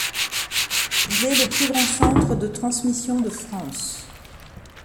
Il est le plus grand centre de transmission de France.